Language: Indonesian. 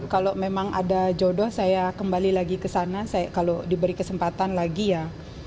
kalau memang ada jodoh saya kembali lagi ke sana kalau diberi kesempatan lagi ya